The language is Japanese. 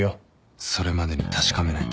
それまでに確かめないと